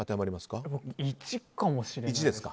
僕、１かもしれないです。